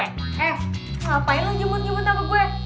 eh ngapain lo jemut jemut sama gue